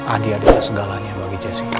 adi adalah segalanya bagi jessica